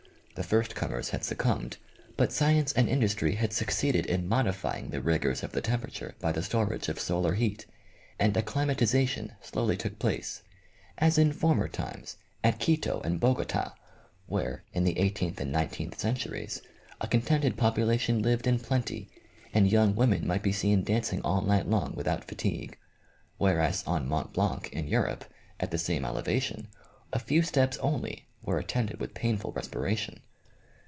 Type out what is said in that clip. The first comers had succumbed ; but science and industry had succeeded 16 OMEGA. in modifying the rigors of the temperature by the storage of solar heat, and acclimatization slowly took place ; as in former times, at Quito and Bogota, where, in the eigh teenth and nineteenth centuries, a contented population lived in plenty, and young women might be seen dancing all night long without fatigue ; whereas on Mont Blanc in Europe, at the same elevation, a few steps only were at tended with painful respiration.